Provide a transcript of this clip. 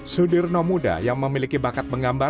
sudirno muda yang memiliki bakat menggambar